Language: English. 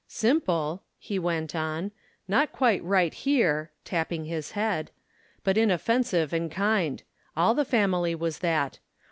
Simple," he went on; "not quite right here," tapping his head, "but inoffensive and kind. All the family was that.